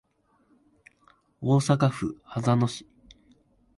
大阪府羽曳野市